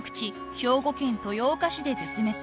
兵庫県豊岡市で絶滅］